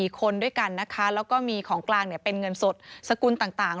๔คนด้วยกันนะคะแล้วก็มีของกลางเป็นเงินสดสกุลต่าง